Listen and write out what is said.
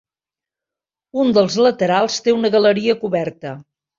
Un dels laterals té una galeria coberta.